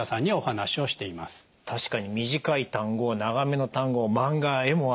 確かに短い単語長めの単語マンガは絵もある。